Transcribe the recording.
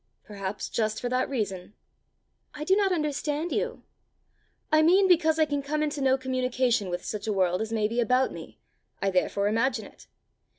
"Perhaps just for that reason." "I do not understand you." "I mean, because I can come into no communication with such a world as may be about me, I therefore imagine it.